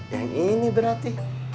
yang ini berarti